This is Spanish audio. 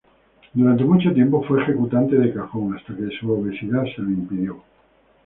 Durante mucho tiempo fue ejecutante de cajón hasta que su obesidad se lo impidió.